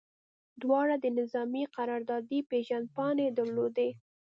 دواړو د نظامي قراردادي پیژندپاڼې درلودې